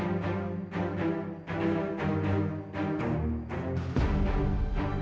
assalamualaikum warahmatullahi wabarakatuh